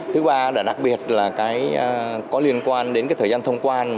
thứ ba là đặc biệt là có liên quan đến thời gian thông quan